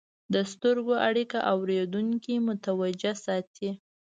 د سترګو اړیکه اورېدونکي متوجه ساتي.